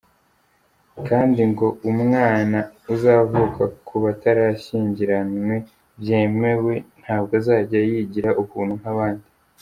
Kandi ngo umwana uzavuka ku batarashyingiranwe byemewe ntabwo azajya yigira ubuntu nk’abandi.